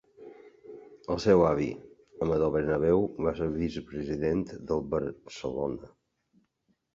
El seu avi, Amador Bernabeu, va ser vicepresident del Barcelona.